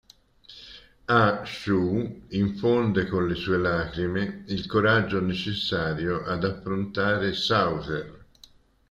A Shu infonde con le sue lacrime il coraggio necessario ad affrontare Souther.